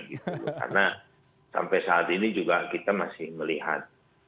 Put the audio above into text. karena sampai saat ini juga kita masih melihat